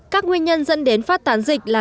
các nguyên nhân dẫn đến phát tán dịch là